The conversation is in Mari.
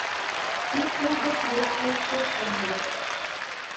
Ик вуй гыч вес вуйыш коштам ыле.